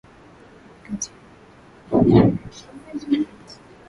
ni kati ya mwezi wa kumi na mbili na mwezi wa pili